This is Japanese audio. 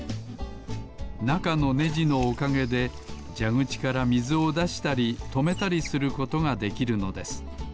なかのねじのおかげでじゃぐちからみずをだしたりとめたりすることができるのです。